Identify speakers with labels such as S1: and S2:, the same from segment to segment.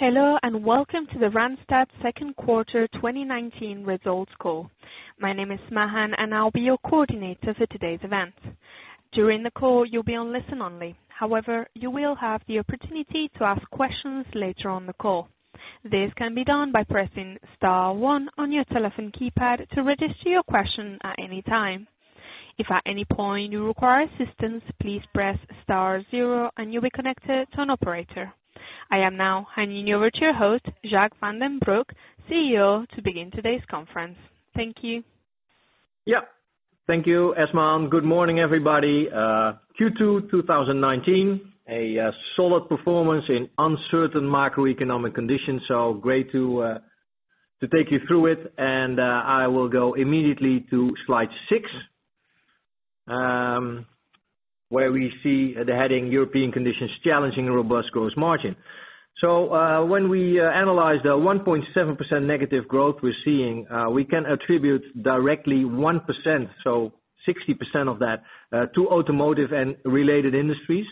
S1: Hello, and welcome to the Randstad second quarter 2019 results call. My name is Esmahan, and I'll be your coordinator for today's event. During the call, you'll be on listen-only. However, you will have the opportunity to ask questions later on the call. This can be done by pressing star one on your telephone keypad to register your question at any time. If at any point you require assistance, please press star zero and you'll be connected to an operator. I am now handing you over to your host, Jacques van den Broek, CEO, to begin today's conference. Thank you.
S2: Thank you, Esmahan. Good morning, everybody. Q2 2019, a solid performance in uncertain macroeconomic conditions, great to take you through it. I will go immediately to slide six, where we see the heading, European conditions challenging a robust gross margin. When we analyze the 1.7% negative growth we're seeing, we can attribute directly 1%, so 60% of that, to automotive and related industries.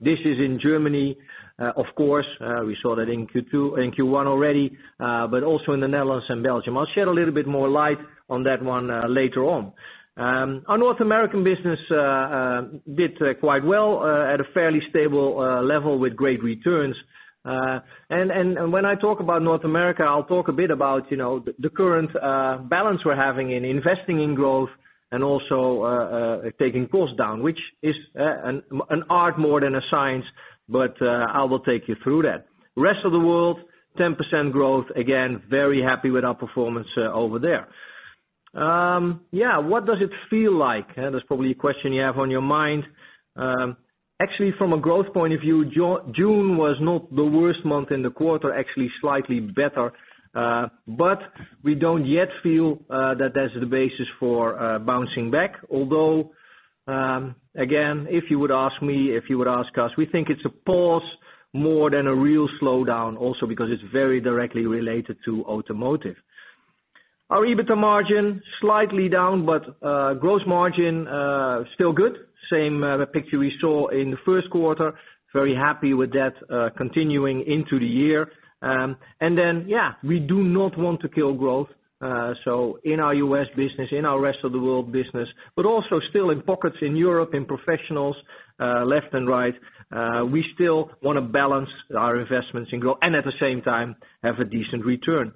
S2: This is in Germany, of course. We saw that in Q1 already, also in the Netherlands and Belgium. I'll shed a little bit more light on that one later on. Our North American business did quite well, at a fairly stable level with great returns. When I talk about North America, I'll talk a bit about the current balance we're having in investing in growth and also taking costs down, which is an art more than a science, but I will take you through that. Rest of the world, 10% growth. Again, very happy with our performance over there. Yeah. What does it feel like? That's probably a question you have on your mind. Actually, from a growth point of view, June was not the worst month in the quarter, actually slightly better. We don't yet feel that that's the basis for bouncing back. Although, again, if you would ask me, if you would ask us, we think it's a pause more than a real slowdown also because it's very directly related to automotive. Our EBITDA margin, slightly down, but gross margin still good. Same picture we saw in the first quarter. Very happy with that continuing into the year. Yeah, we do not want to kill growth. In our U.S. business, in our rest of the world business, but also still in pockets in Europe, in professionals, left and right, we still want to balance our investments in growth and at the same time, have a decent return.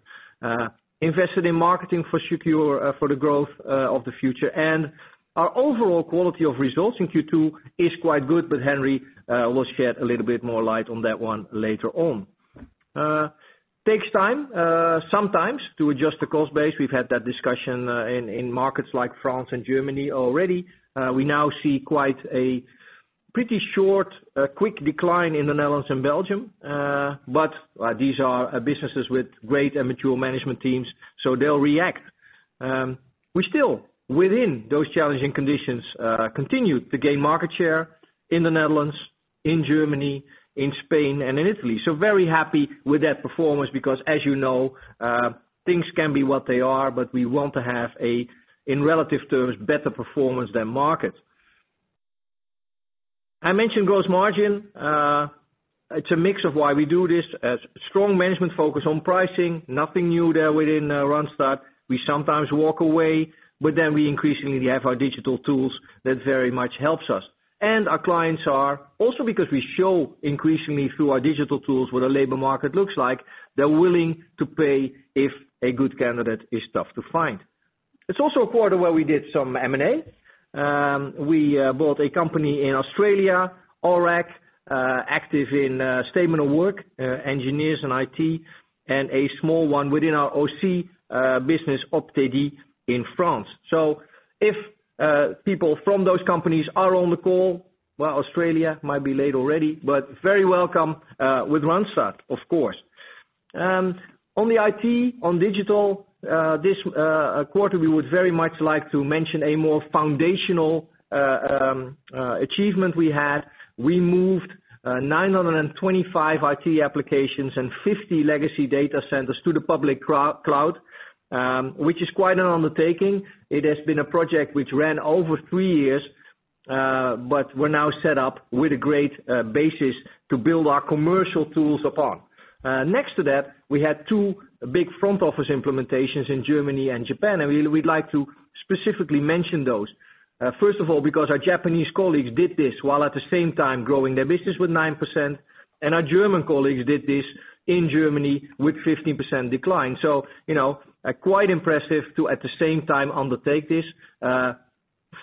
S2: Invested in marketing for secure, for the growth of the future. Our overall quality of results in Q2 is quite good, but Henry will shed a little bit more light on that one later on. Takes time sometimes to adjust the cost base. We've had that discussion in markets like France and Germany already. We now see quite a pretty short, quick decline in the Netherlands and Belgium. These are businesses with great and mature management teams, so they'll react. We still, within those challenging conditions, continued to gain market share in the Netherlands, in Germany, in Spain, and in Italy. Very happy with that performance because as you know, things can be what they are, but we want to have a, in relative terms, better performance than market. I mentioned gross margin. It's a mix of why we do this. A strong management focus on pricing. Nothing new there within Randstad. We sometimes walk away, but then we increasingly have our digital tools that very much helps us. Our clients are, also because we show increasingly through our digital tools what a labor market looks like, they're willing to pay if a good candidate is tough to find. It's also a quarter where we did some M&A. We bought a company in Australia, AUREC, active in statement of work, engineers and IT, and a small one within our OC business, OPTEDIS, in France. If people from those companies are on the call, well, Australia might be late already, but very welcome with Randstad, of course. On the IT, on digital, this quarter, we would very much like to mention a more foundational achievement we had. We moved 925 IT applications and 50 legacy data centers to the public cloud, which is quite an undertaking. It has been a project which ran over three years, but we're now set up with a great basis to build our commercial tools upon. Next to that, we had two big front office implementations in Germany and Japan, and we'd like to specifically mention those. Because our Japanese colleagues did this while at the same time growing their business with 9%, and our German colleagues did this in Germany with 15% decline. Quite impressive to, at the same time, undertake this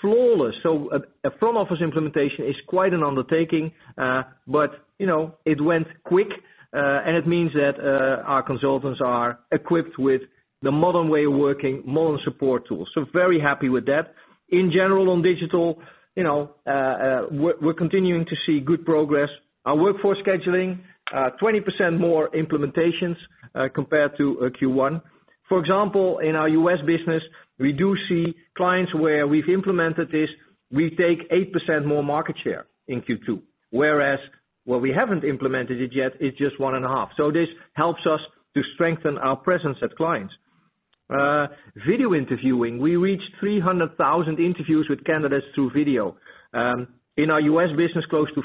S2: flawless. A front office implementation is quite an undertaking. It went quick, and it means that our consultants are equipped with the modern way of working, modern support tools. Very happy with that. In general, on digital, we're continuing to see good progress. Our workforce scheduling, 20% more implementations compared to Q1. For example, in our U.S. business, we do see clients where we've implemented this. We take 8% more market share in Q2, whereas where we haven't implemented it yet, it's just 1.5%. This helps us to strengthen our presence at clients. Video interviewing. We reached 300,000 interviews with candidates through video. In our U.S. business, close to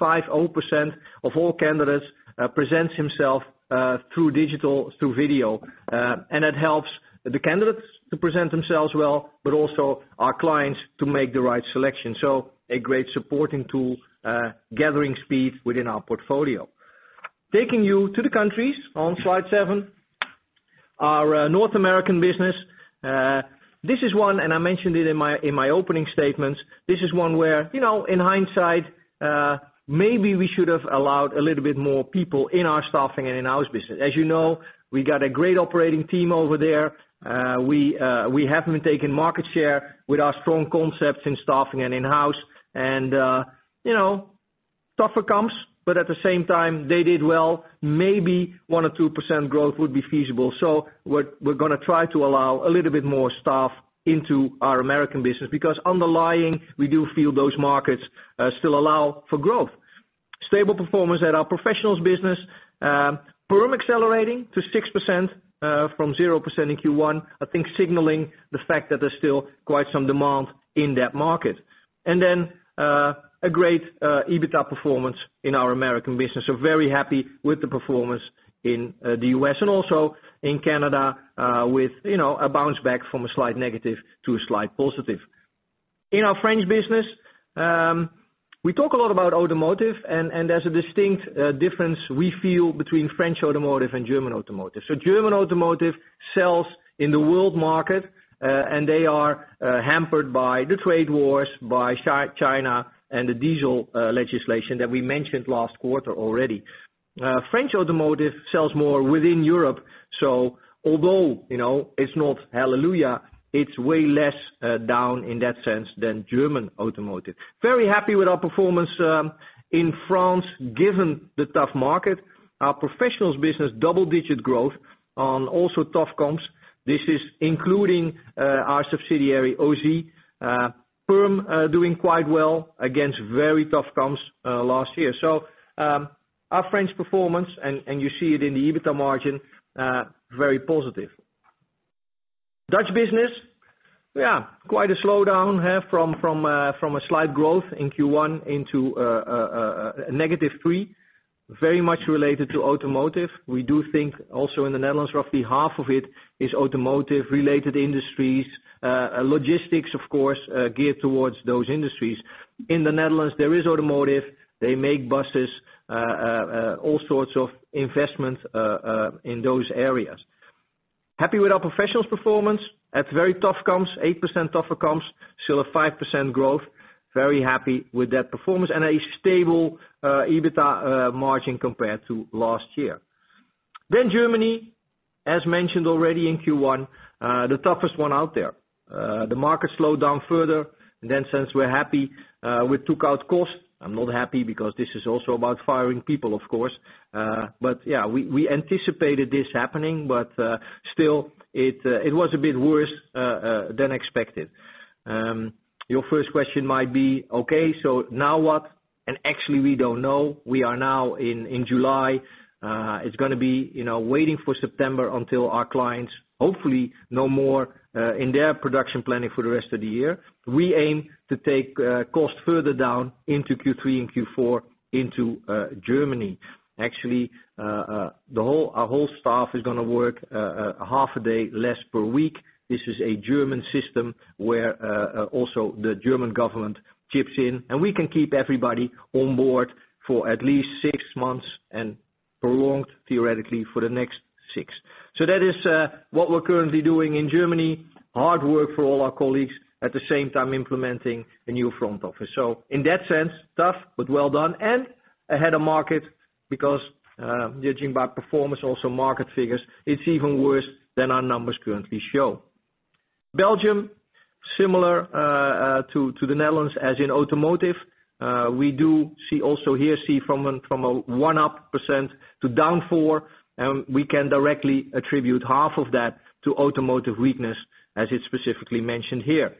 S2: 55% of all candidates present themselves through digital, through video. It helps the candidates to present themselves well, but also our clients to make the right selection. A great supporting tool, gathering speed within our portfolio. Taking you to the countries on slide seven. Our North American business. This is one, I mentioned it in my opening statements. This is one where, in hindsight, maybe we should have allowed a little bit more people in our staffing and in-house business. As you know, we got a great operating team over there. We have been taking market share with our strong concepts in staffing and in-house and tougher comps, but at the same time, they did well. Maybe 1% or 2% growth would be feasible. We're going to try to allow a little bit more staff into our American business because underlying, we do feel those markets still allow for growth. Stable performance at our professionals business. Perm accelerating to 6%, from 0% in Q1, I think signaling the fact that there's still quite some demand in that market. A great EBITDA performance in our American business. Very happy with the performance in the U.S. and also in Canada, with a bounce back from a slight negative to a slight positive. In our French business, we talk a lot about automotive and there's a distinct difference we feel between French automotive and German automotive. German automotive sells in the world market, and they are hampered by the trade wars by China and the diesel legislation that we mentioned last quarter already. French automotive sells more within Europe. Although, it's not hallelujah, it's way less down in that sense than German automotive. Very happy with our performance in France given the tough market. Our professionals business double-digit growth on also tough comps. This is including our subsidiary, AUSY. Perm doing quite well against very tough comps, last year. Our French performance, and you see it in the EBITDA margin, very positive. Dutch business. Quite a slowdown from a slight growth in Q1 into a -3%, very much related to automotive. We do think also in the Netherlands, roughly half of it is automotive-related industries, logistics of course, geared towards those industries. In the Netherlands, there is automotive. They make buses, all sorts of investments in those areas. Happy with our professionals performance at very tough comps, 8% tougher comps, still a 5% growth. Very happy with that performance and a stable EBITDA margin compared to last year. Germany, as mentioned already in Q1, the toughest one out there. The market slowed down further. Since we're happy, we took out costs. I'm not happy because this is also about firing people, of course. Yeah, we anticipated this happening, but still it was a bit worse than expected. Your first question might be, okay, so now what? Actually, we don't know. We are now in July. It's going to be waiting for September until our clients, hopefully know more, in their production planning for the rest of the year. We aim to take costs further down into Q3 and Q4 into Germany. Actually, our whole staff is going to work half a day less per week. This is a German system where also the German government chips in, and we can keep everybody on board for at least six months and prolonged, theoretically, for the next six. That is what we're currently doing in Germany. Hard work for all our colleagues, at the same time implementing a new front office. In that sense, tough but well done and ahead of market because, judging by performance, also market figures, it's even worse than our numbers currently show. Belgium, similar to the Netherlands, as in automotive. We do see also here, see from up 1% to down 4%, and we can directly attribute half of that to automotive weakness as it's specifically mentioned here.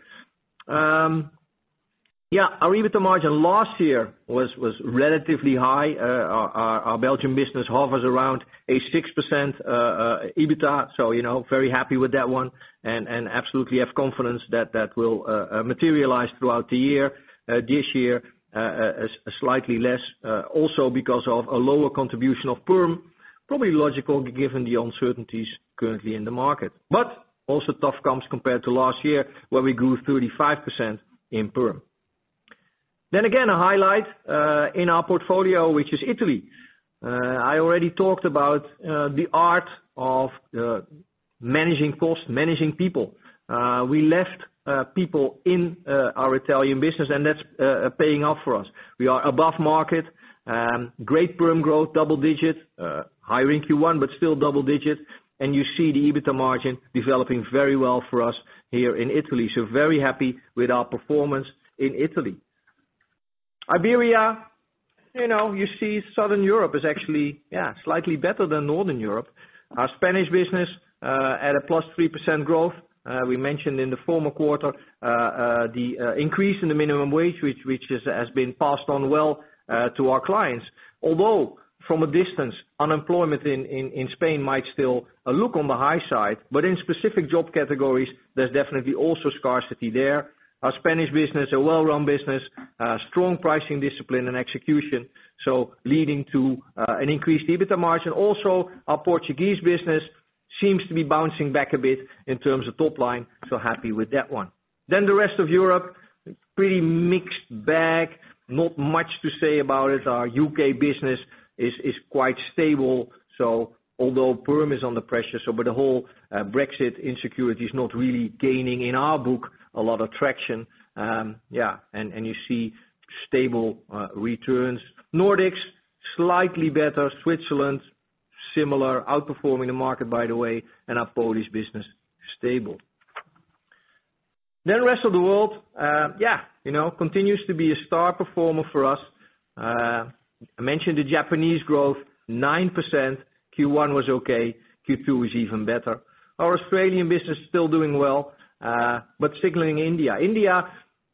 S2: Our EBITDA margin last year was relatively high. Our Belgium business hovers around a 6%, EBITDA. Very happy with that one and absolutely have confidence that that will materialize throughout the year. This year slightly less, also because of a lower contribution of perm. Probably logical given the uncertainties currently in the market. Also, tough comps compared to last year where we grew 35% in perm. A highlight, in our portfolio, which is Italy. I already talked about, the art of managing costs, managing people. We left people in our Italian business, and that's paying off for us. We are above market. Great perm growth, double digits, higher in Q1, but still double digits. You see the EBITDA margin developing very well for us here in Italy. Very happy with our performance in Italy. Iberia, you see Southern Europe is actually slightly better than Northern Europe. Our Spanish business, at a +3% growth. We mentioned in the former quarter the increase in the minimum wage, which has been passed on well to our clients. From a distance, unemployment in Spain might still look on the high side, but in specific job categories, there's definitely also scarcity there. Our Spanish business, a well-run business, strong pricing discipline and execution, leading to an increased EBITDA margin. Our Portuguese business seems to be bouncing back a bit in terms of top line, happy with that one. The rest of Europe, pretty mixed bag, not much to say about it. Our U.K. business is quite stable, although perm is under pressure. The whole Brexit insecurity is not really gaining, in our book, a lot of traction. You see stable returns. Nordics, slightly better. Switzerland, similar, outperforming the market, by the way. Our Polish business, stable. Rest of the world, yeah, continues to be a star performer for us. I mentioned the Japanese growth, 9%. Q1 was okay, Q2 is even better. Our Australian business is still doing well. Signaling India. India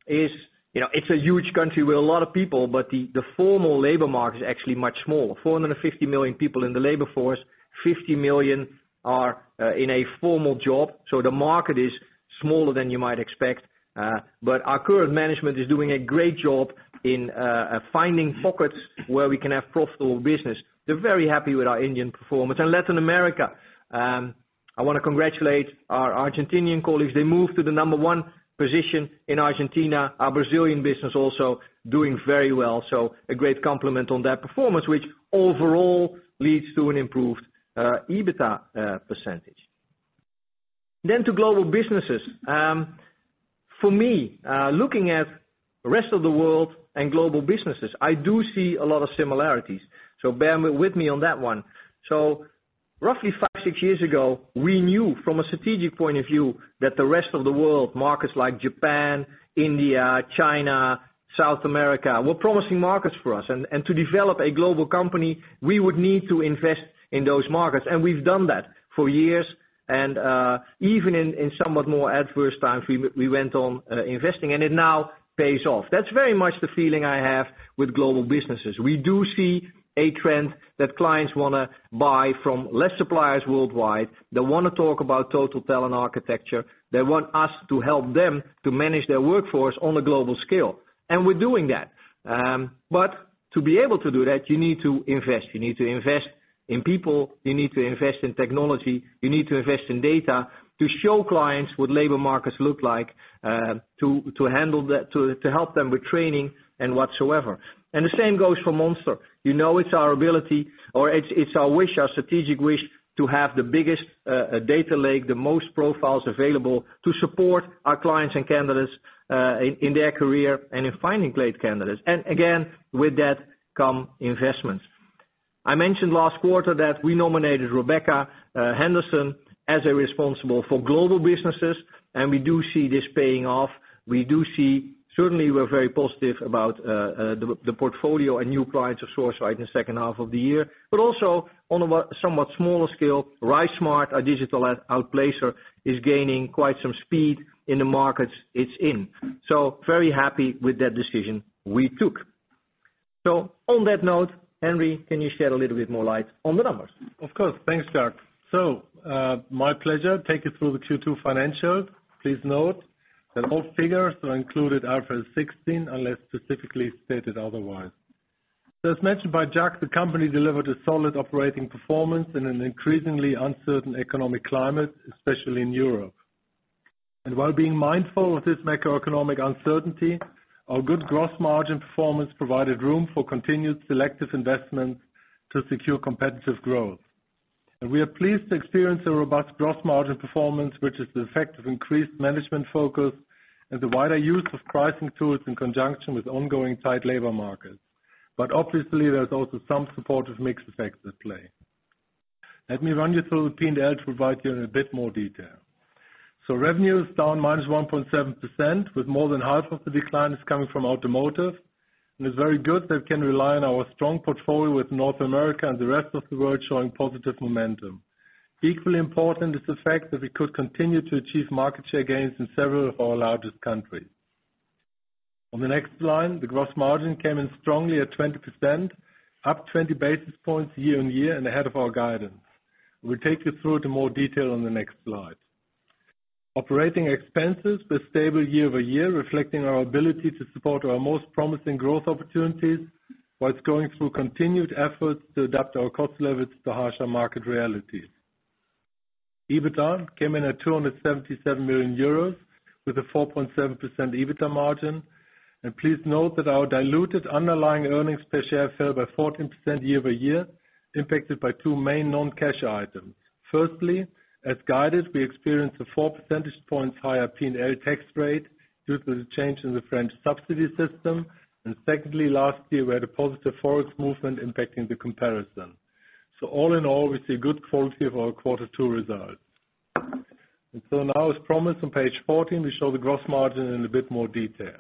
S2: is a huge country with a lot of people, but the formal labor market is actually much smaller. 450 million people in the labor force, 50 million are in a formal job. The market is smaller than you might expect. Our current management is doing a great job in finding pockets where we can have profitable business. They're very happy with our Indian performance. Latin America, I want to congratulate our Argentinian colleagues. They moved to the number one position in Argentina. Our Brazilian business also doing very well. A great compliment on that performance, which overall leads to an improved EBITDA percentage. To global businesses. For me, looking at the rest of the world and global businesses, I do see a lot of similarities. Bear with me on that one. Roughly five, six years ago, we knew from a strategic point of view that the rest of the world, markets like Japan, India, China, South America, were promising markets for us. To develop a global company, we would need to invest in those markets. We've done that for years. Even in somewhat more adverse times, we went on investing and it now pays off. That's very much the feeling I have with global businesses. We do see a trend that clients want to buy from less suppliers worldwide. They want to talk about total talent architecture. They want us to help them to manage their workforce on a global scale. We're doing that. To be able to do that, you need to invest. You need to invest in people. You need to invest in technology. You need to invest in data to show clients what labor markets look like, to help them with training and whatsoever. The same goes for Randstad. You know, it's our ability or it's our wish, our strategic wish to have the biggest data lake, the most profiles available to support our clients and candidates, in their career and in finding great candidates. Again, with that come investments. I mentioned last quarter that we nominated Rebecca Henderson as responsible for global businesses, and we do see this paying off. We do see, certainly we're very positive about the portfolio and new clients of Sourceright in the second half of the year. Also on a somewhat smaller scale, RiseSmart, our digital outplacer, is gaining quite some speed in the markets it's in. Very happy with that decision we took. On that note, Henry, can you shed a little bit more light on the numbers?
S3: Of course. Thanks, Jacques. My pleasure. Take you through the Q2 financials. Please note that all figures are included IFRS 16 unless specifically stated otherwise. As mentioned by Jacques, the company delivered a solid operating performance in an increasingly uncertain economic climate, especially in Europe. While being mindful of this macroeconomic uncertainty, our good gross margin performance provided room for continued selective investments to secure competitive growth. We are pleased to experience a robust gross margin performance, which is the effect of increased management focus and the wider use of pricing tools in conjunction with ongoing tight labor markets. Obviously, there's also some supportive mix effects at play. Let me run you through the P&L to provide you in a bit more detail. Revenue is down -1.7% with more than half of the decline is coming from automotive, and it's very good that we can rely on our strong portfolio with North America and the rest of the world showing positive momentum. Equally important is the fact that we could continue to achieve market share gains in several of our largest countries. On the next line, the gross margin came in strongly at 20%, up 20 basis points year-on-year and ahead of our guidance. We'll take you through to more detail on the next slide. Operating expenses were stable year-over-year, reflecting our ability to support our most promising growth opportunities whilst going through continued efforts to adapt our cost levels to harsher market realities. EBITDA came in at 277 million euros with a 4.7% EBITDA margin. Please note that our diluted underlying earnings per share fell by 14% year-over-year, impacted by two main non-cash items. Firstly, as guided, we experienced a four percentage points higher P&L tax rate due to the change in the French subsidy system. Secondly, last year we had a positive Forex movement impacting the comparison. All in all, we see good quality of our quarter two results. Now, as promised on page 14, we show the gross margin in a bit more detail.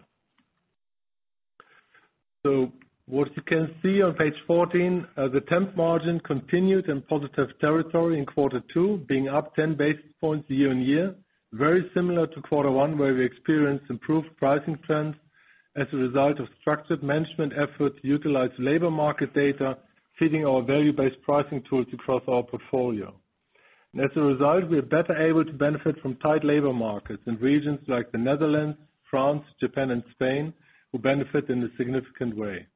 S3: What you can see on page 14, the temp margin continued in positive territory in quarter two, being up 10 basis points year-on-year, very similar to quarter one, where we experienced improved pricing trends as a result of structured management efforts to utilize labor market data, feeding our value-based pricing tools across our portfolio. As a result, we are better able to benefit from tight labor markets in regions like the Netherlands, France, Japan, and Spain, who benefit in a significant way.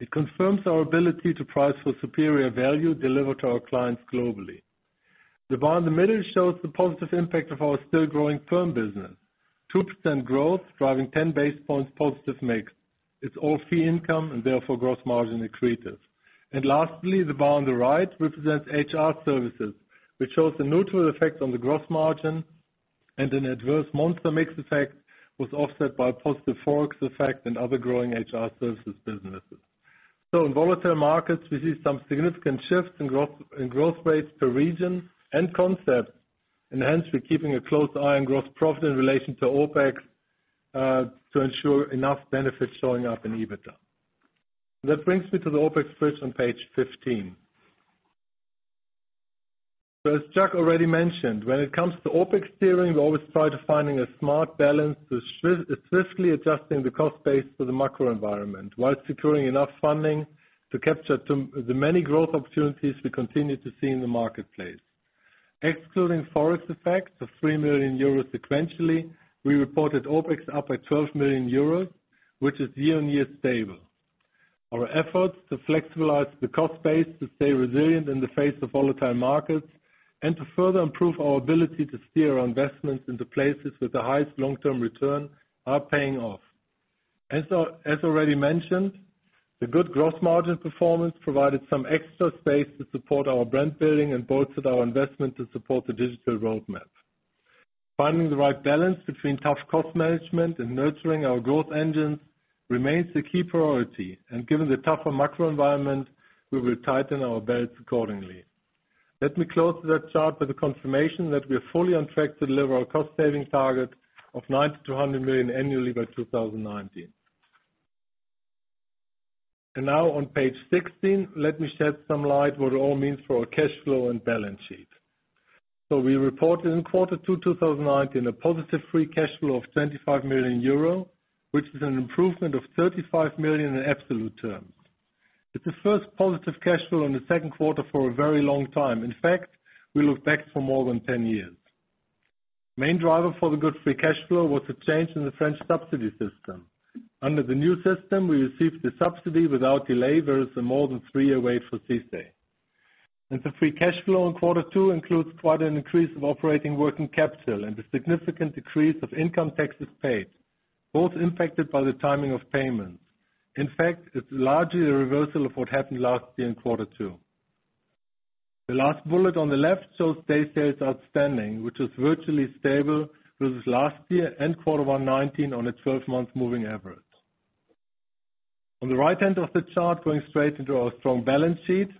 S3: It confirms our ability to price for superior value delivered to our clients globally. The bar in the middle shows the positive impact of our still growing firm business, 2% growth driving 10 basis points positive mix. It's all fee income, and therefore, gross margin accretive. Lastly, the bar on the right represents HR services, which shows a neutral effect on the gross margin, and an adverse Monster mix effect was offset by a positive Forex effect and other growing HR services businesses. In volatile markets, we see some significant shifts in growth rates per region and concept, and hence we're keeping a close eye on gross profit in relation to OpEx, to ensure enough benefits showing up in EBITDA. That brings me to the OpEx first on page 15. As Jacques already mentioned, when it comes to OpEx steering, we always try to find a smart balance to swiftly adjusting the cost base to the macro environment while securing enough funding to capture the many growth opportunities we continue to see in the marketplace. Excluding Forex effects of 3 million euros sequentially, we reported OpEx up at 12 million euros, which is year-on-year stable. Our efforts to flexibilize the cost base to stay resilient in the face of volatile markets and to further improve our ability to steer our investments into places with the highest long-term return are paying off. As already mentioned, the good gross margin performance provided some extra space to support our brand building and bolstered our investment to support the digital roadmap. Finding the right balance between tough cost management and nurturing our growth engines remains the key priority. Given the tougher macro environment, we will tighten our belts accordingly. Let me close that chart with the confirmation that we are fully on track to deliver our cost-saving target of 90 million-100 million annually by 2019. Now on page 16, let me shed some light what it all means for our cash flow and balance sheet. We reported in quarter two 2019 a positive free cash flow of 25 million euro, which is an improvement of 35 million in absolute terms. It's the first positive cash flow in the second quarter for a very long time. In fact, we look back for more than 10 years. Main driver for the good free cash flow was a change in the French subsidy system. Under the new system, we received the subsidy without delay versus the more than three-year wait for CICE. The free cash flow in quarter two includes quite an increase of operating working capital and a significant decrease of income taxes paid, both impacted by the timing of payments. In fact, it's largely a reversal of what happened last year in quarter two. The last bullet on the left shows day sales outstanding, which was virtually stable versus last year and quarter one, 2019 on a 12-month moving average. On the right end of the chart, going straight into our strong balance sheet,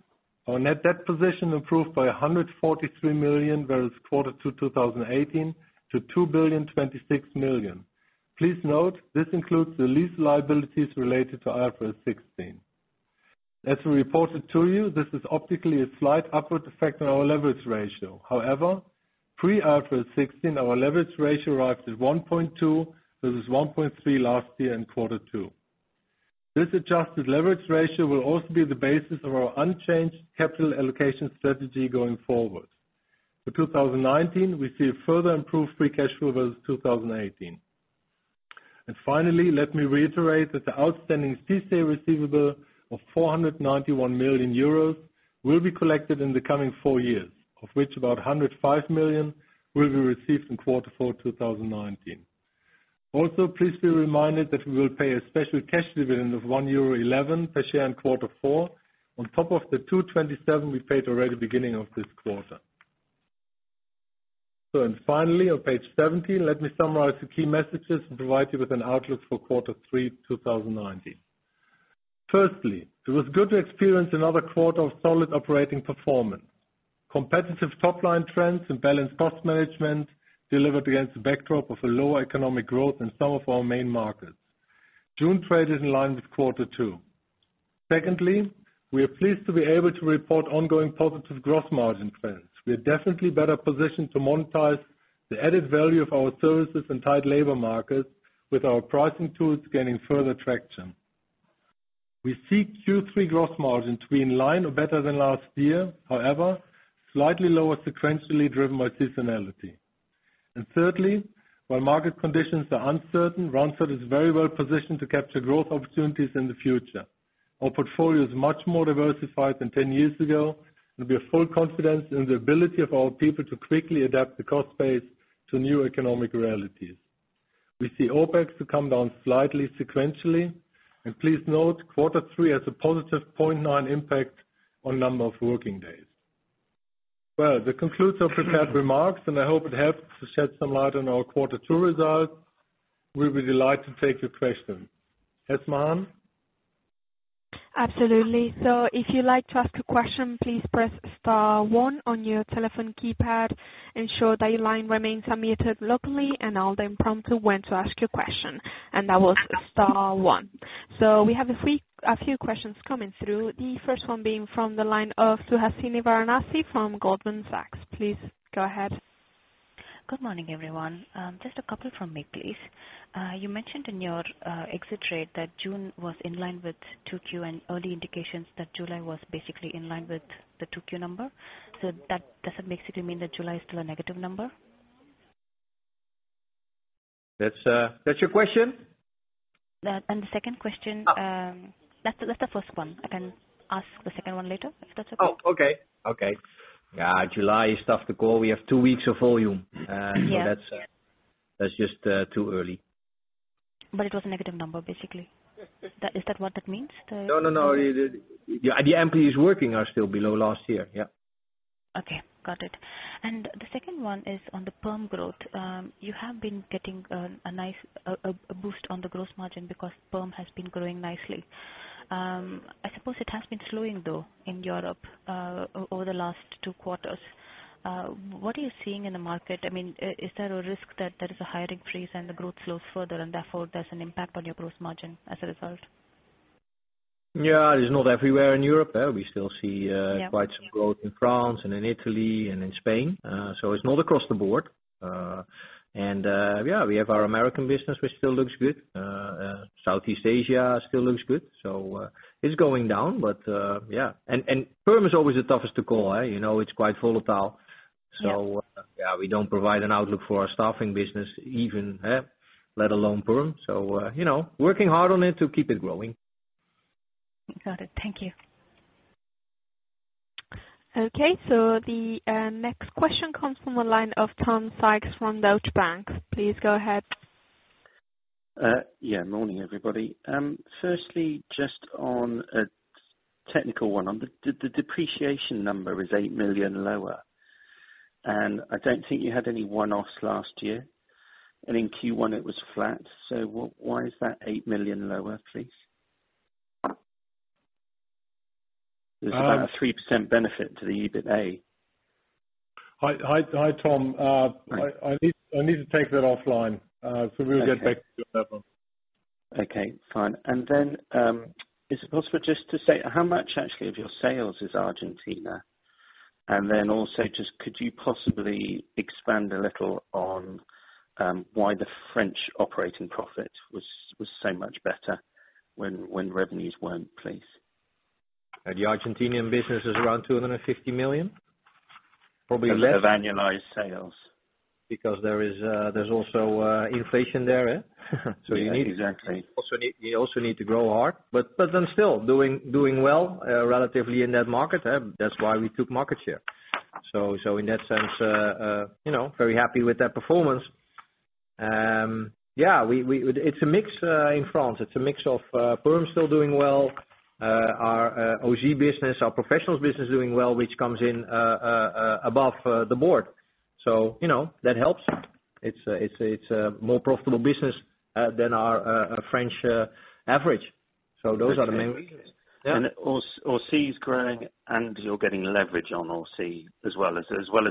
S3: our net debt position improved by 143 million versus quarter two 2018 to 2.026 billion. Please note this includes the lease liabilities related to IFRS 16. As we reported to you, this is optically a slight upward effect on our leverage ratio. However, pre-IFRS 16, our leverage ratio rises 1.2x versus 1.3x last year in quarter two. This adjusted leverage ratio will also be the basis of our unchanged capital allocation strategy going forward. For 2019, we see a further improved free cash flow versus 2018. Finally, let me reiterate that the outstanding CICE receivable of 491 million euros will be collected in the coming four years, of which about 105 million will be received in quarter four 2019. Please be reminded that we will pay a special cash dividend of 1.11 euro per share in Q4 on top of the 2.27 we paid already beginning of this quarter. Finally, on page 17, let me summarize the key messages and provide you with an outlook for quarter three 2019. Firstly, it was good to experience another quarter of solid operating performance. Competitive top-line trends and balanced cost management delivered against the backdrop of a lower economic growth in some of our main markets. June trade is in line with quarter two. Secondly, we are pleased to be able to report ongoing positive gross margin trends. We are definitely better positioned to monetize the added value of our services and tight labor markets with our pricing tools gaining further traction. We see Q3 gross margin between in line or better than last year, however, slightly lower sequentially driven by seasonality. Thirdly, while market conditions are uncertain, Randstad is very well positioned to capture growth opportunities in the future. Our portfolio is much more diversified than 10 years ago. We have full confidence in the ability of our people to quickly adapt the cost base to new economic realities. We see OpEx to come down slightly sequentially. Please note, quarter three has a +0.9 impact on number of working days. Well, that concludes our prepared remarks, and I hope it helped to shed some light on our quarter two results. We'll be delighted to take your questions. Esmahan?
S1: Absolutely. If you'd like to ask a question, please press star one on your telephone keypad, ensure that your line remains unmuted locally, and I'll then prompt you when to ask your question. That was star one. We have a few questions coming through, the first one being from the line of Suhasini Varanasi from Goldman Sachs. Please go ahead.
S4: Good morning, everyone. Just a couple from me, please. You mentioned in your exit rate that June was in line with 2Q and early indications that July was basically in line with the 2Q number. Does it basically mean that July is still a negative number?
S2: That's your question?
S4: That's the first one. I can ask the second one later, if that's okay.
S2: Oh, okay. Yeah, July is tough to call. We have two weeks of volume.
S4: Yeah.
S2: That's just too early.
S4: It was a negative number, basically. Is that what that means?
S2: No. The employees working are still below last year. Yeah.
S4: Okay, got it. The second one is on the perm growth. You have been getting a boost on the growth margin because perm has been growing nicely. I suppose it has been slowing, though, in Europe, over the last two quarters. What are you seeing in the market? Is there a risk that there is a hiring freeze and the growth slows further and therefore there's an impact on your growth margin as a result?
S2: Yeah, it is not everywhere in Europe.
S4: Yeah
S2: We still see quite some growth in France and in Italy and in Spain. It's not across the board. Yeah, we have our American business, which still looks good. Southeast Asia still looks good. It's going down, but yeah. Perm is always the toughest to call. It's quite volatile.
S4: Yeah.
S2: Yeah, we don't provide an outlook for our staffing business even, let alone perm. Working hard on it to keep it growing.
S4: Got it. Thank you.
S1: Okay, the next question comes from the line of Tom Sykes from Deutsche Bank. Please go ahead.
S5: Yeah, morning, everybody. Firstly, just on a technical one. The depreciation number is 8 million lower, and I don't think you had any one-offs last year. In Q1 it was flat. Why is that 8 million lower, please? There's about a 3% benefit to the EBITA.
S3: Hi, Tom.
S5: Hi.
S3: I need to take that offline. We'll get back to you on that one.
S5: Okay, fine. Is it possible just to say how much actually of your sales is Argentina? Could you possibly expand a little on why the French operating profit was so much better when revenues weren't, please?
S2: The Argentinian business is around 250 million, probably less.
S5: That's annualized sales.
S2: There's also inflation there.
S5: Yeah, exactly.
S2: You also need to grow hard. Still doing well, relatively in that market. That's why we took market share. In that sense, very happy with that performance. Yeah, it's a mix in France. It's a mix of perm still doing well. Our OC business, our professionals business is doing well, which comes in above the board. That helps. It's a more profitable business than our French average. Those are the main.
S5: OC is growing and you're getting leverage on OC as well as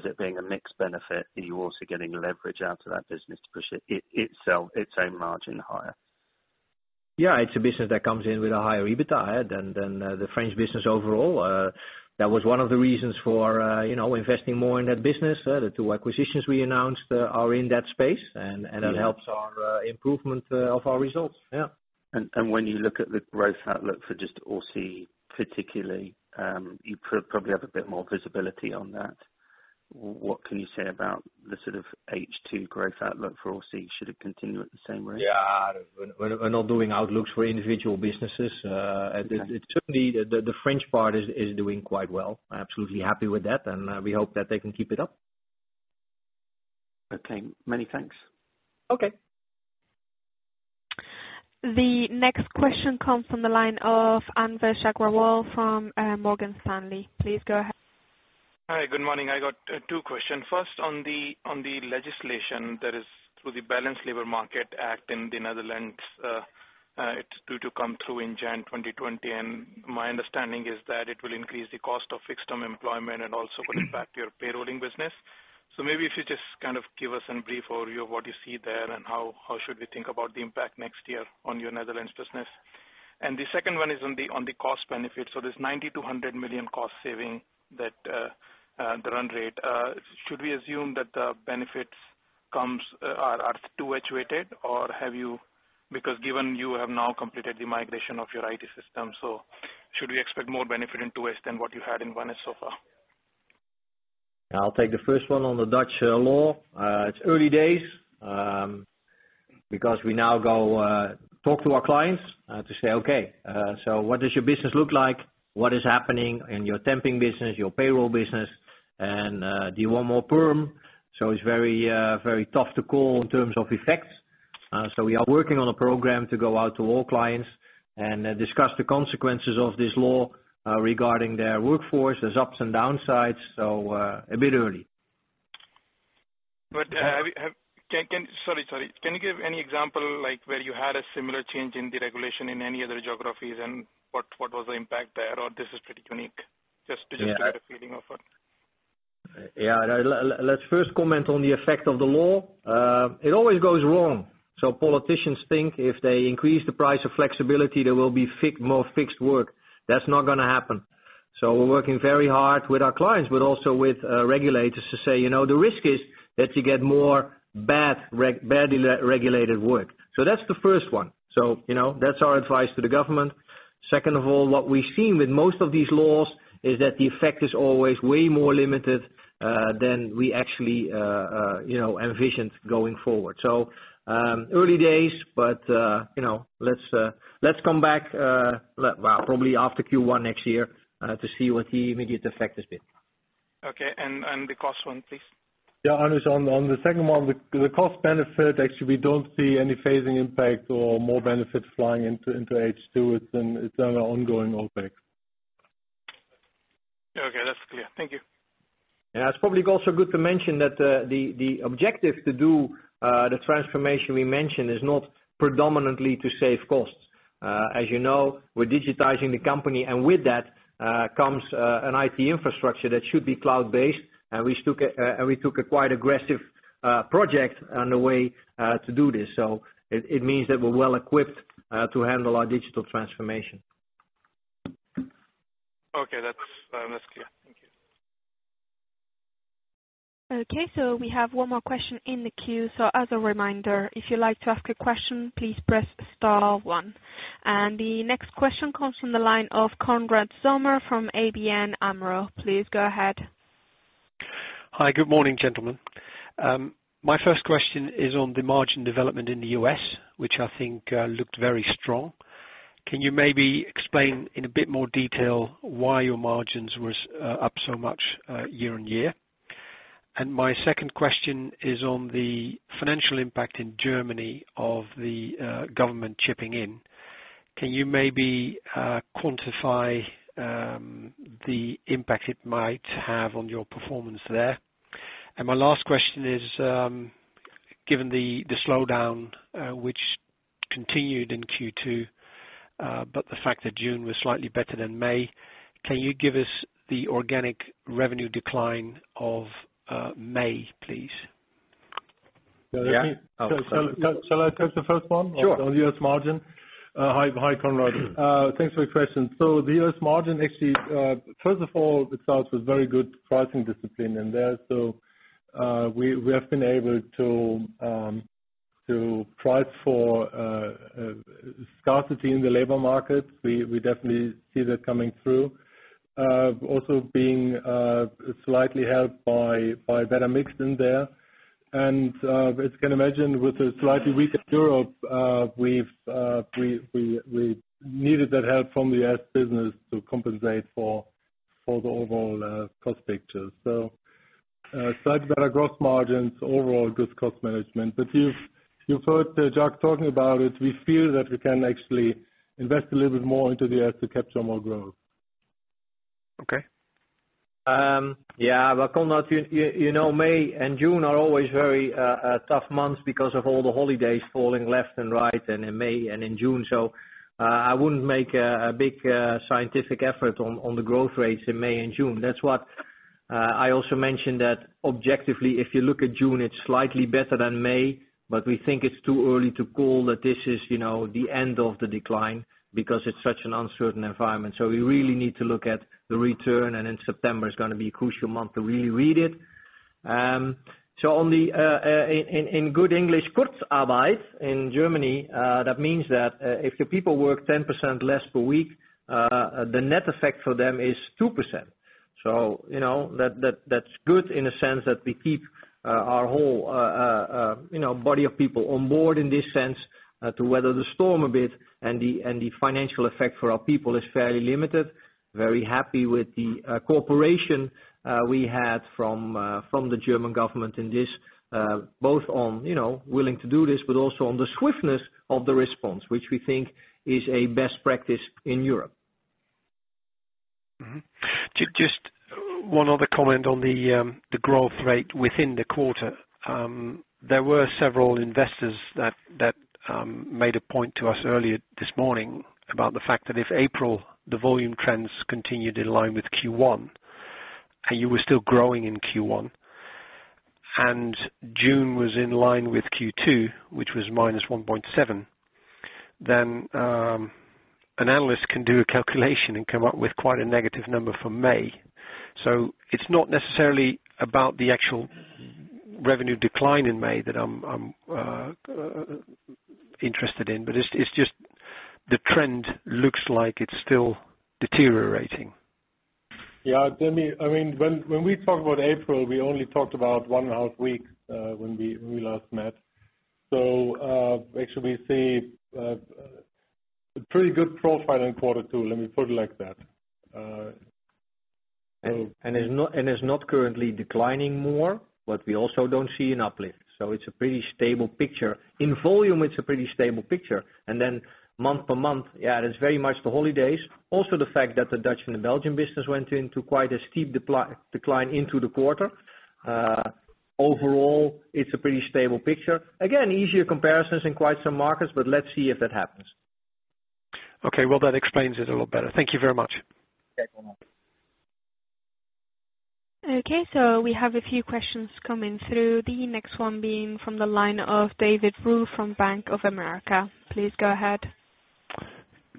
S5: it being a mixed benefit, you're also getting leverage out of that business to push its own margin higher.
S2: Yeah, it's a business that comes in with a higher EBITA than the French business overall. That was one of the reasons for investing more in that business. The two acquisitions we announced are in that space, and that helps our improvement of our results, yeah.
S5: When you look at the growth outlook for just OC particularly, you probably have a bit more visibility on that. What can you say about the sort of H2 growth outlook for OC? Should it continue at the same rate?
S2: Yeah, we're not doing outlooks for individual businesses.
S5: Okay.
S2: Certainly, the French part is doing quite well. Absolutely happy with that, and we hope that they can keep it up.
S5: Okay. Many thanks.
S2: Okay.
S1: The next question comes from the line of Anvesh Agrawal from Morgan Stanley. Please go ahead.
S6: Hi, good morning. I got two questions. First, on the legislation that is through the Balanced Labour Market Act in the Netherlands, it's due to come through in January 2020. My understanding is that it will increase the cost of fixed-term employment and also will impact your payrolling business. Maybe if you just give us a brief overview of what you see there and how should we think about the impact next year on your Netherlands business. The second one is on the cost benefit. This 90 million-100 million cost saving, the run rate. Should we assume that the benefits are too situated? Because given you have now completed the migration of your IT system, should we expect more benefit in 2H than what you had in 1H so far?
S2: I'll take the first one on the Dutch law. It's early days, because we now go talk to our clients to say, "Okay, so what does your business look like? What is happening in your temping business, your payroll business? And do you want more perm?" It's very tough to call in terms of effects. We are working on a program to go out to all clients and discuss the consequences of this law regarding their workforce. There's ups and downsides, a bit early.
S6: Sorry. Can you give any example where you had a similar change in the regulation in any other geographies, and what was the impact there, or this is pretty unique? Just to get a feeling of it.
S2: Let's first comment on the effect of the law. It always goes wrong. Politicians think if they increase the price of flexibility, there will be more fixed work. That's not going to happen. We're working very hard with our clients, but also with regulators to say, "The risk is that you get more badly regulated work." That's the first one. That's our advice to the government. Second of all, what we've seen with most of these laws is that the effect is always way more limited than we actually envisioned going forward. Early days, but let's come back, well, probably after Q1 next year to see what the immediate effect has been.
S6: Okay. The cost one, please.
S3: Anvesh, on the second one, the cost benefit, actually, we don't see any phasing impact or more benefits flying into H2. It's an ongoing OpEx.
S6: Okay. That's clear. Thank you.
S2: It's probably also good to mention that the objective to do the transformation we mentioned is not predominantly to save costs. You know, we're digitizing the company, with that comes an IT infrastructure that should be cloud-based. We took a quite aggressive project on the way to do this. It means that we're well-equipped to handle our digital transformation.
S6: Okay. That's clear. Thank you.
S1: Okay. We have one more question in the queue. As a reminder, if you'd like to ask a question, please press star one. The next question comes from the line of Konrad Zomer from ABN AMRO. Please go ahead.
S7: Hi. Good morning, gentlemen. My first question is on the margin development in the U.S., which I think looked very strong. Can you maybe explain in a bit more detail why your margins were up so much year-on-year? My second question is on the financial impact in Germany of the government chipping in. Can you maybe quantify the impact it might have on your performance there? My last question is, given the slowdown which continued in Q2, but the fact that June was slightly better than May, can you give me the organic revenue decline of May, please?
S2: Yeah.
S3: Shall I take the first one?
S2: Sure
S3: on the U.S. margin? Hi, Konrad. Thanks for your question. The U.S. margin, actually, first of all, it starts with very good pricing discipline in there. We have been able to price for scarcity in the labor market. We definitely see that coming through. Also being slightly helped by better mix in there. As you can imagine, with a slightly weaker Europe, we've needed that help from the U.S. business to compensate for the overall cost picture. Slightly better gross margins, overall good cost management. You've heard Jacques talking about it. We feel that we can actually invest a little bit more into the [S] to capture more growth.
S7: Okay.
S2: Yeah. Well, Konrad, you know May and June are always very tough months because of all the holidays falling left and right and in May and in June. I wouldn't make a big scientific effort on the growth rates in May and June. That's what I also mentioned that objectively, if you look at June, it's slightly better than May, but we think it's too early to call that this is the end of the decline because it's such an uncertain environment. We really need to look at the return, and in September it's going to be a crucial month to reread it. In good English, Kurzarbeit in Germany, that means that if the people work 10% less per week, the net effect for them is 2%. That's good in a sense that we keep our whole body of people on board in this sense to weather the storm a bit. The financial effect for our people is fairly limited. Very happy with the cooperation we had from the German government in this, both on willing to do this, but also on the swiftness of the response, which we think is a best practice in Europe.
S7: Just one other comment on the growth rate within the quarter. There were several investors that made a point to us earlier this morning about the fact that if April, the volume trends continued in line with Q1, and you were still growing in Q1, and June was in line with Q2, which was -1.7%, an analyst can do a calculation and come up with quite a negative number for May. It's not necessarily about the actual revenue decline in May that I'm interested in, but it's just the trend looks like it's still deteriorating.
S3: When we talk about April, we only talked about one and a half weeks when we last met. Actually, we see a pretty good profile in quarter two, let me put it like that.
S2: Is not currently declining more, but we also don't see an uplift. It's a pretty stable picture. In volume, it's a pretty stable picture. Month per month, yeah, it is very much the holidays. Also, the fact that the Dutch and the Belgian business went into quite a steep decline into the quarter. Overall, it's a pretty stable picture. Easier comparisons in quite some markets, but let's see if that happens.
S7: Okay. Well, that explains it a lot better. Thank you very much.
S2: Okay, no problem.
S1: Okay, we have a few questions coming through. The next one being from the line of David Roux from Bank of America. Please go ahead.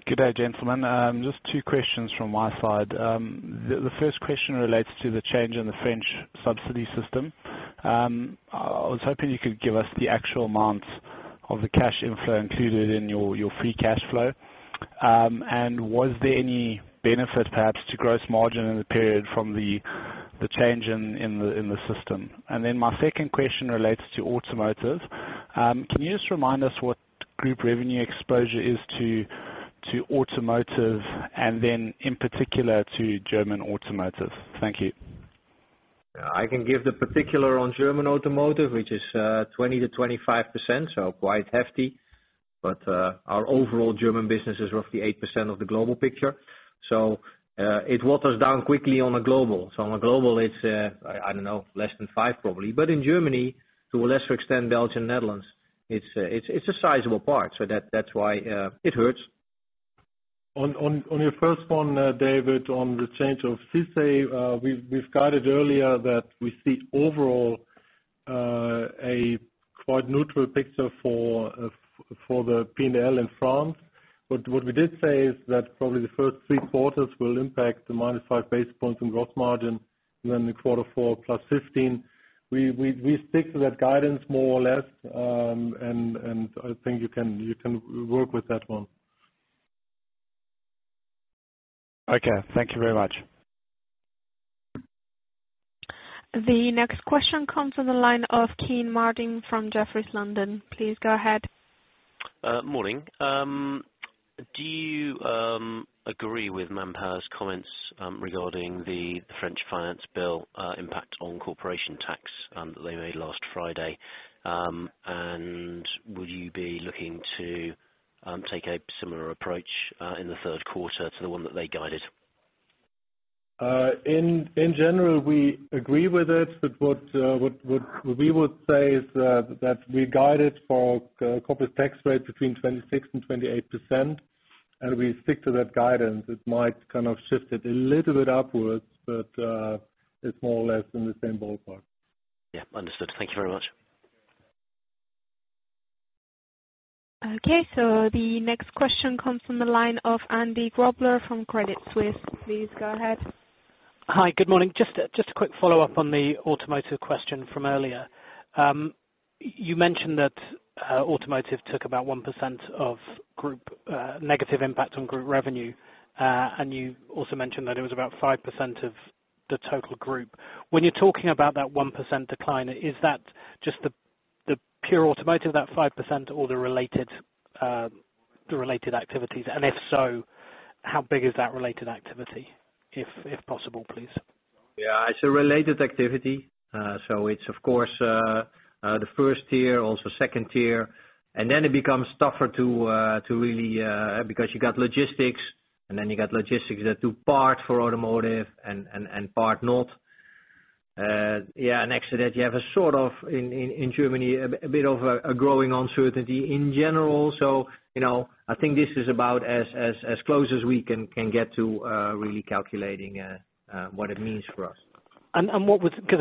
S8: Good day, gentlemen. Just two questions from my side. The first question relates to the change in the French subsidy system. I was hoping you could give us the actual amount of the cash inflow included in your free cash flow. Was there any benefit, perhaps, to gross margin in the period from the change in the system? My second question relates to automotive. Can you just remind us what group revenue exposure is to automotive and then in particular to German automotive? Thank you.
S2: I can give the particular on German automotive, which is 20%-25%, quite hefty. Our overall German business is roughly 8% of the global picture. It waters down quickly on the global. On the global it's, I don't know, less than 5% probably. In Germany, to a lesser extent, Belgium, Netherlands, it's a sizable part. That's why it hurts.
S3: On your first one, David, on the change of CICE, we've guided earlier that we see overall a quite neutral picture for the P&L in France. What we did say is that probably the first three quarters will impact the -5 base points in gross margin. The quarter four +15 basis points. We stick to that guidance more or less, and I think you can work with that one.
S8: Okay. Thank you very much.
S1: The next question comes from the line of Kean Marden from Jefferies, London. Please go ahead.
S9: Morning. Do you agree with Manpower's comments regarding the French finance bill impact on corporation tax that they made last Friday? Will you be looking to take a similar approach in the third quarter to the one that they guided?
S3: In general, we agree with it, but what we would say is that we guided for corporate tax rate between 26% and 28%, and we stick to that guidance. It might kind of shift it a little bit upwards, but it's more or less in the same ballpark.
S9: Yeah. Understood. Thank you very much.
S1: Okay, the next question comes from the line of Andy Grobler from Credit Suisse. Please go ahead.
S10: Hi. Good morning. Just a quick follow-up on the automotive question from earlier. You mentioned that automotive took about 1% of negative impact on group revenue. You also mentioned that it was about 5% of the total group. When you're talking about that 1% decline, is that just the pure automotive, that 5%, or the related activities? If so, how big is that related activity, if possible, please?
S2: Yeah, it's a related activity. It's of course, the first tier, also second tier, and then it becomes tougher to really Because you got logistics and then you got logistics that do part for automotive and part not. Yeah, next to that, you have a sort of, in Germany, a bit of a growing uncertainty in general. I think this is about as close as we can get to really calculating what it means for us.
S10: I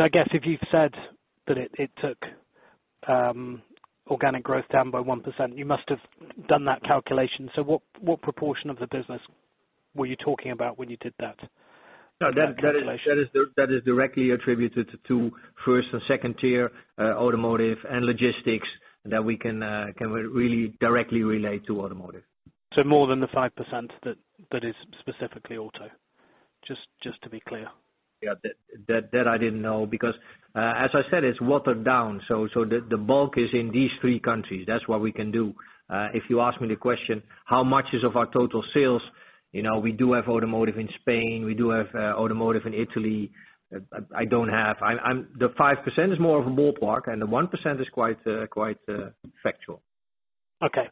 S10: guess if you've said that it took organic growth down by 1%, you must have done that calculation. What proportion of the business were you talking about when you did that calculation?
S2: That is directly attributed to first-tier and second-tier automotive and logistics that we can really directly relate to automotive.
S10: More than the 5% that is specifically auto? Just to be clear.
S2: Yeah. That I didn't know, because as I said, it's watered down. The bulk is in these three countries. That's what we can do. If you ask me the question, how much is of our total sales, we do have automotive in Spain, we do have automotive in Italy. The 5% is more of a ballpark and the 1% is quite factual.
S10: Okay.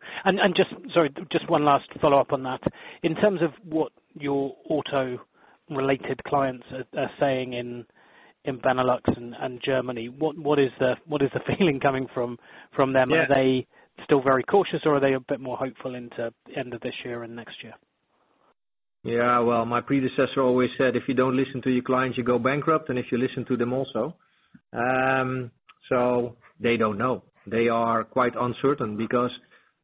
S10: Just, sorry, just one last follow-up on that. In terms of what your auto-related clients are saying in Benelux and Germany, what is the feeling coming from them?
S2: Yeah.
S10: Are they still very cautious, or are they a bit more hopeful into end of this year and next year?
S2: Well, my predecessor always said, "If you don't listen to your clients, you go bankrupt. If you listen to them also." They don't know. They are quite uncertain because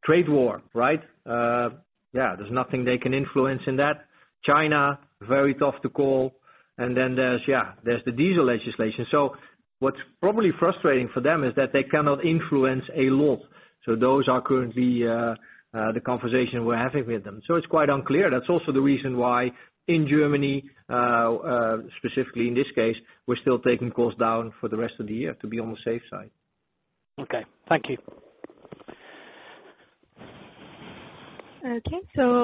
S2: trade war, right? There's nothing they can influence in that. China, very tough to call. Then there's the diesel legislation. What's probably frustrating for them is that they cannot influence a lot. Those are currently the conversation we're having with them. It's quite unclear. That's also the reason why in Germany, specifically in this case, we're still taking costs down for the rest of the year to be on the safe side.
S10: Okay. Thank you.
S1: Okay.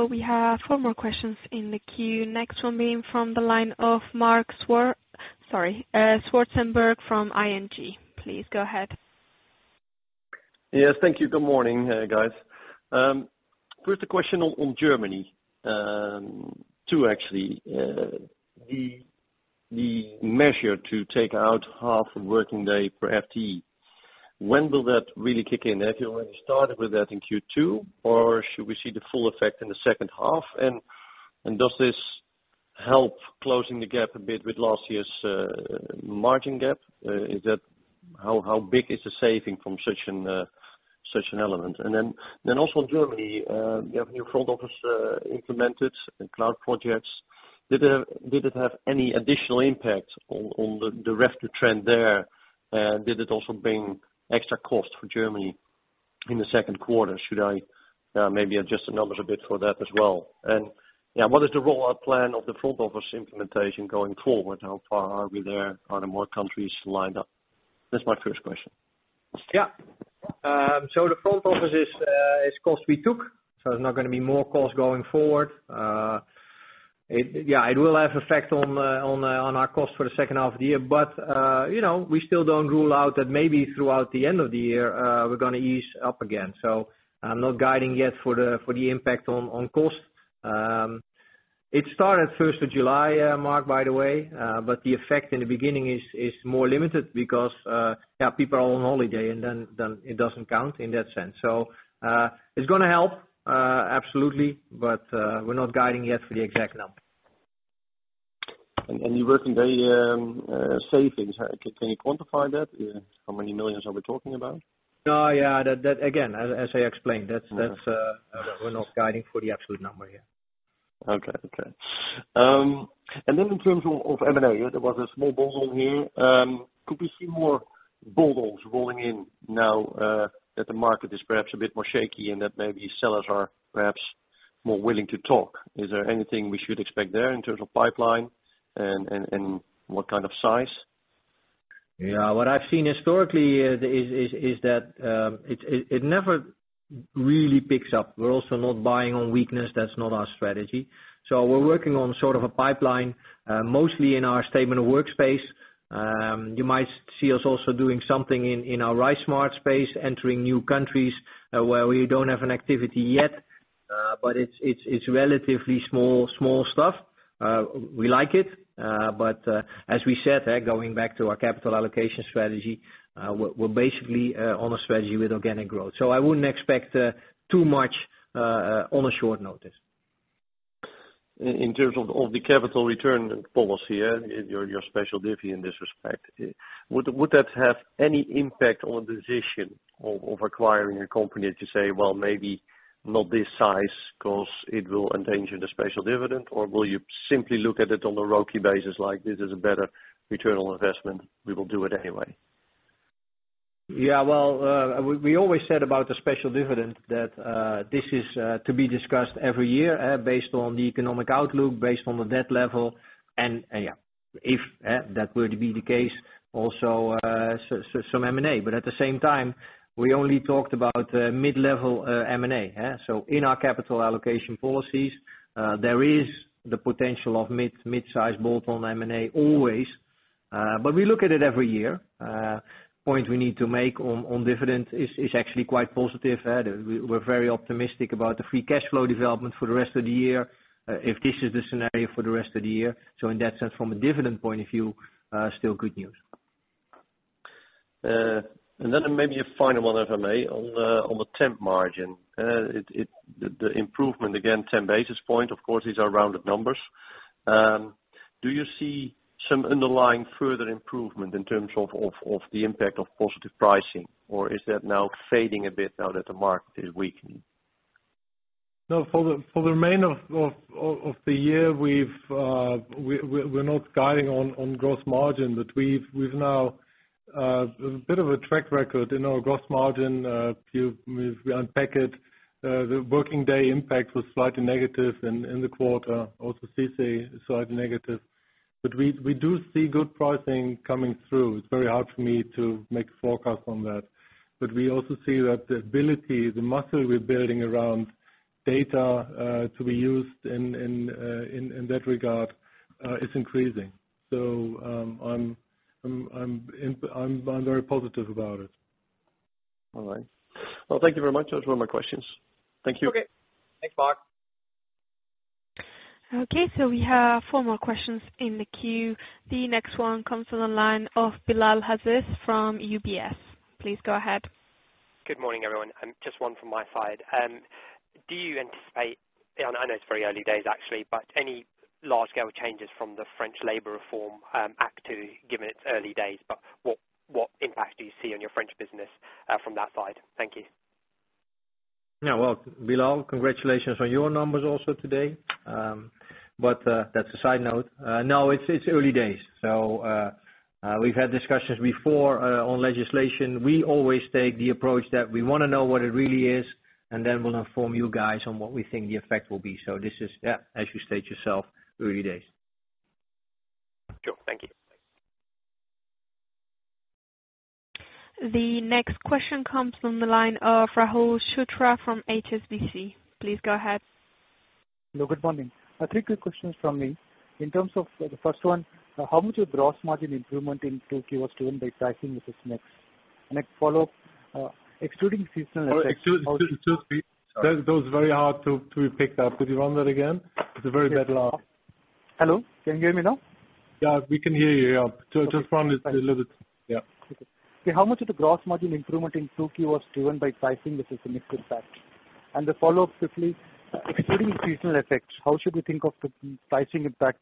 S1: We have four more questions in the queue. Next one being from the line of Marc Zwartsenburg from ING. Please go ahead.
S11: Yes. Thank you. Good morning, guys. First question on Germany. Two, actually. The measure to take out half a working day per FTE. When will that really kick in? Have you already started with that in Q2, or should we see the full effect in the second half? Does this help closing the gap a bit with last year's margin gap? How big is the saving from such an element? Then also in Germany, you have new front office implemented and public cloud projects. Did it have any additional impact on the refit trend there? Did it also bring extra cost for Germany in the second quarter? Should I maybe adjust the numbers a bit for that as well? What is the rollout plan of the front office implementation going forward? How far are we there? Are there more countries lined up? That's my first question.
S2: Yeah. The front office is cost we took, so there's not going to be more cost going forward. It will have effect on our cost for the second half of the year. We still don't rule out that maybe throughout the end of the year, we're going to ease up again. I'm not guiding yet for the impact on cost. It started 1st of July, Marc, by the way. The effect in the beginning is more limited because, people are on holiday and then it doesn't count in that sense. It's going to help, absolutely. We're not guiding yet for the exact number.
S11: Your working day savings, can you quantify that? How many millions are we talking about?
S2: Yeah. Again, as I explained, we're not guiding for the absolute number here.
S11: Okay. In terms of M&A, there was a small bolt-on here. Could we see more bolt-ons rolling in now that the market is perhaps a bit more shaky and that maybe sellers are perhaps more willing to talk? Is there anything we should expect there in terms of pipeline and what kind of size?
S2: Yeah. What I've seen historically is that it never really picks up. We're also not buying on weakness. That's not our strategy. We're working on sort of a pipeline, mostly in our statement of workspace. You might see us also doing something in our RiseSmart space, entering new countries where we don't have an activity yet. It's relatively small stuff. We like it. As we said, going back to our capital allocation strategy, we're basically on a strategy with organic growth. I wouldn't expect too much on a short notice.
S11: In terms of the capital return policy, your special divvy in this respect, would that have any impact on the decision of acquiring a company to say, well, maybe not this size because it will endanger the special dividend? Will you simply look at it on a ROCE basis like this is a better return on investment, we will do it anyway?
S2: Yeah. Well, we always said about the special dividend that this is to be discussed every year based on the economic outlook, based on the debt level. Yeah, if that were to be the case, also some M&A. At the same time, we only talked about mid-level M&A. In our capital allocation policies, there is the potential of mid-size bolt-on M&A always. We look at it every year. Point we need to make on dividend is actually quite positive. We're very optimistic about the free cash flow development for the rest of the year, if this is the scenario for the rest of the year. In that sense, from a dividend point of view, still good news.
S11: Maybe a final one, if I may, on the temp margin. The improvement, again, 10 basis point, of course, these are rounded numbers. Do you see some underlying further improvement in terms of the impact of positive pricing, or is that now fading a bit now that the market is weakening?
S3: No, for the remainder of the year, we're not guiding on gross margin, but we've now a bit of a track record in our gross margin. We unpack it. The working day impact was slightly negative in the quarter, also CICE slightly negative. We do see good pricing coming through. It's very hard for me to make a forecast on that. We also see that the ability, the muscle we're building around data, to be used in that regard, is increasing. I'm very positive about it.
S11: All right. Well, thank you very much. That's all my questions. Thank you.
S2: Okay. Thanks, Marc.
S1: Okay, we have four more questions in the queue. The next one comes from the line of Bilal Aziz from UBS. Please go ahead.
S12: Good morning, everyone. Just one from my side. Do you anticipate, and I know it's very early days, actually, but any large-scale changes from the French Labor Reform Act, given its early days, but what impact do you see on your French business from that side? Thank you.
S2: Yeah. Well, Bilal, congratulations on your numbers also today. That's a side note. It's early days. We've had discussions before on legislation. We always take the approach that we want to know what it really is, and then we'll inform you guys on what we think the effect will be. This is, yeah, as you state yourself, early days.
S12: Sure. Thank you.
S1: The next question comes from the line of Rahul Chopra from HSBC. Please go ahead.
S13: Hello, good morning. Three quick questions from me. The first one, how much of gross margin improvement in 2Q was driven by pricing versus mix? A follow-up, excluding seasonal-
S3: Excuse me. That was very hard to be picked up. Could you run that again? It's a very bad line.
S13: Hello, can you hear me now?
S3: Yeah, we can hear you. Just run it a little bit. Yeah.
S13: Okay. How much of the gross margin improvement in 2Q was driven by pricing versus mix impact? The follow-up quickly, excluding seasonal effects, how should we think of the pricing impact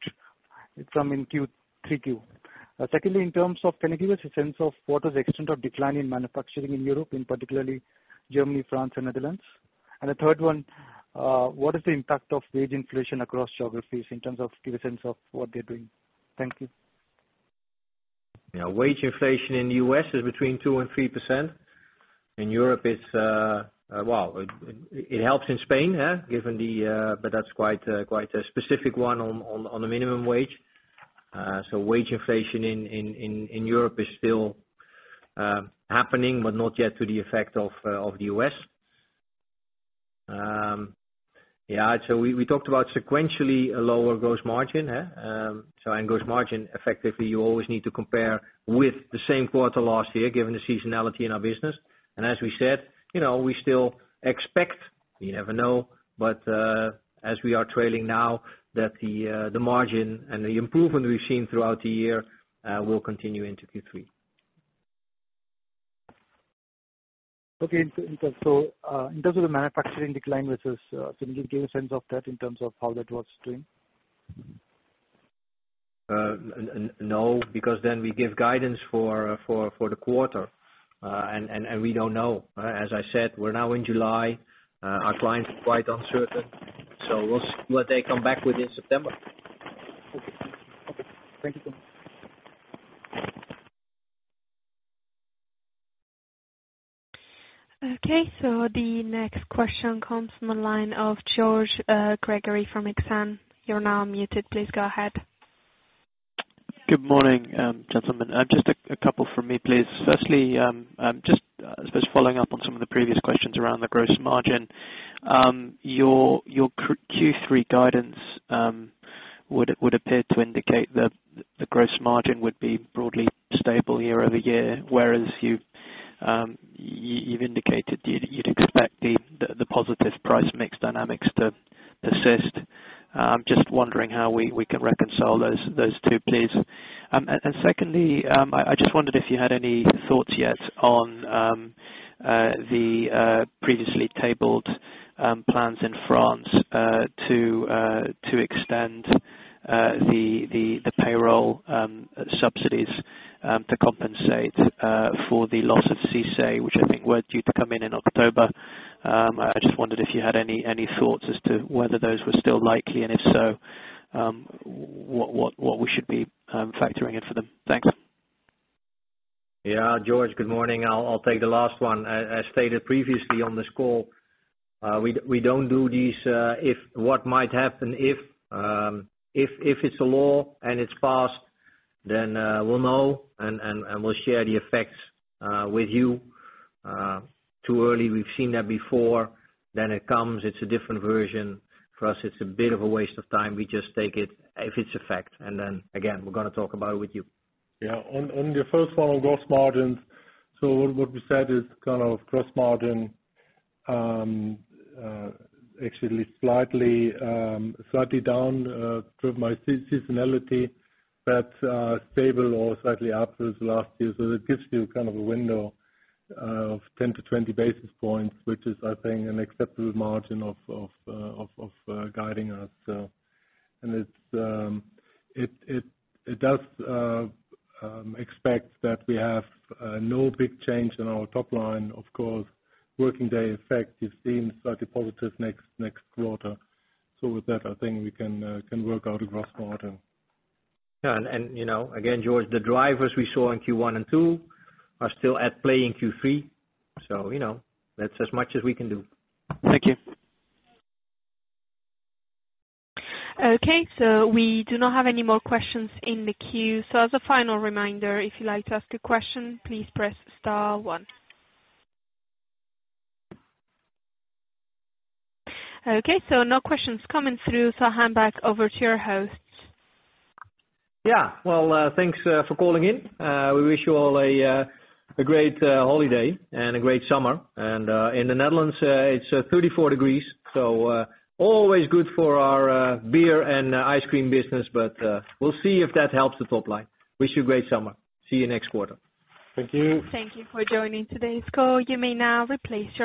S13: from in 3Q? Secondly, can you give us a sense of what is the extent of decline in manufacturing in Europe, in particular Germany, France, and Netherlands? The third one, what is the impact of wage inflation across geographies, give a sense of what they're doing. Thank you.
S2: Wage inflation in the U.S. is between 2% and 3%. In Europe, it helps in Spain, but that's quite a specific one on the minimum wage. Wage inflation in Europe is still happening, but not yet to the effect of the U.S. We talked about sequentially a lower gross margin. Gross margin, effectively, you always need to compare with the same quarter last year, given the seasonality in our business. As we said, we still expect, you never know, but as we are trailing now, that the margin and the improvement we've seen throughout the year will continue into Q3.
S13: In terms of the manufacturing decline, could you give a sense of that in terms of how that was doing?
S2: No, because then we give guidance for the quarter, and we don't know. As I said, we're now in July. Our clients are quite uncertain. We'll see what they come back with in September.
S13: Okay. Thank you.
S1: Okay. The next question comes from the line of George Gregory from Exane. You are now unmuted, please go ahead.
S14: Good morning, gentlemen. Just a couple from me, please. Firstly, just I suppose following up on some of the previous questions around the gross margin. Your Q3 guidance would appear to indicate that the gross margin would be broadly stable year-over-year, whereas you've indicated you'd expect the positive price mix dynamics to persist. Just wondering how we can reconcile those two, please. Secondly, I just wondered if you had any thoughts yet on the previously tabled plans in France to extend the payroll subsidies to compensate for the loss of CICE, which I think were due to come in in October. I just wondered if you had any thoughts as to whether those were still likely, and if so, what we should be factoring in for them. Thanks.
S2: Yeah. George, good morning. I'll take the last one. As stated previously on this call, we don't do these, what might happen if. If it's a law and it's passed, then we'll know, and we'll share the effects with you. Too early, we've seen that before. It comes, it's a different version. For us, it's a bit of a waste of time. We just take it if it's a fact. Again, we're going to talk about it with you.
S3: Yeah. On the first one on gross margins, what we said is gross margin actually slightly down, driven by seasonality, but stable or slightly up through the last year. It gives you a window of 10 basis points-20 basis points, which is, I think, an acceptable margin of guiding us. It does expect that we have no big change in our top line. Of course, working day effect is seen slightly positive next quarter. With that, I think we can work out a gross margin.
S2: Yeah. Again, George, the drivers we saw in Q1 and Q2 are still at play in Q3, so that's as much as we can do.
S14: Thank you.
S1: Okay, we do not have any more questions in the queue. As a final reminder, if you'd like to ask a question, please press star one. Okay, no questions coming through, so I'll hand back over to your host.
S2: Yeah. Well, thanks for calling in. We wish you all a great holiday and a great summer. In the Netherlands, it's 34 degrees, so always good for our beer and ice cream business. We'll see if that helps the top line. Wish you a great summer. See you next quarter.
S3: Thank you.
S1: Thank you for joining today's call. You may now replace your